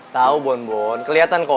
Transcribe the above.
tau bon bon keliatan kok